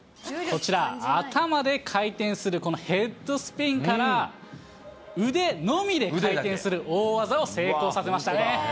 こちら、頭で回転するこのヘッドスピンから、腕のみで回転する大技を成功させましたね。